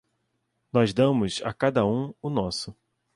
Nós damos a cada um o nosso.